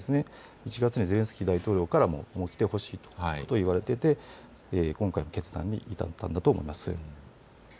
そうした中で１月にゼレンスキー大統領からも来てほしいと言われていて今回の決断に至ったんだと思います。